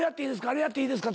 あれやっていいですか？」